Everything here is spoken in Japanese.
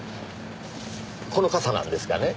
この傘なんですがね。